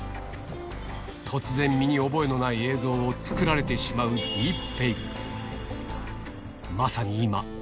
突然身に覚えのない映像を作られてしまうディープフェイク。